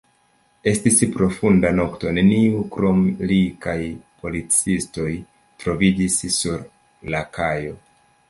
Estis profunda nokto, neniu krom li kaj policistoj troviĝis sur la kajo.